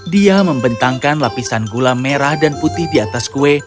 dia membentangkan lapisan gula merah dan putih di atas kue